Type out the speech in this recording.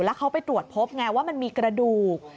แล้วเขาไปตรวจพบไงว่ามันมีกระดูก